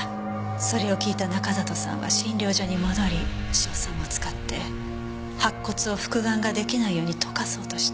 それを聞いた中里さんは診療所に戻り硝酸を使って白骨を復顔が出来ないように溶かそうとした。